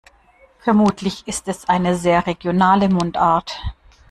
Vermutlich ist es eine sehr regionale Mundart.